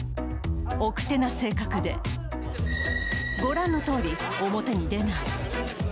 奥手な性格で御覧のとおり、表に出ない。